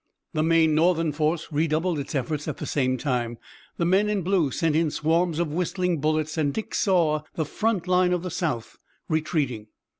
The main Northern force redoubled its efforts at the same time. The men in blue sent in swarms of whistling bullets and Dick saw the front line of the South retreating.